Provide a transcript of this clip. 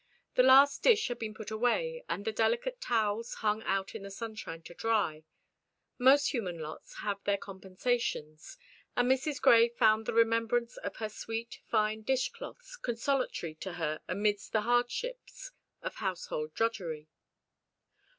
The last dish had been put away, and the delicate towels hung out in the sunshine to dry. Most human lots have their compensations, and Mrs. Grey found the remembrance of her sweet, fine dish cloths consolatory to her amid the hardships of household drudgery.